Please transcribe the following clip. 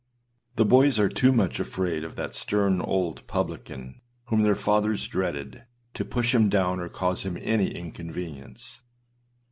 The boys are too much afraid of that stern old publican, whom their fathers dreaded, to push him down or cause him any inconvenience.